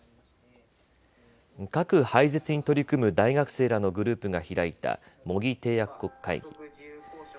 核廃絶に取り組む大学生らのグループが開いた模擬締約国会議。